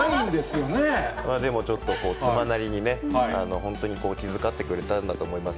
まあでも、ちょっと妻なりにね、本当に気遣ってくれたんだと思います。